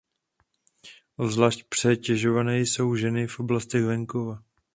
Obzvlášť přetěžované jsou ženy v oblastech venkova.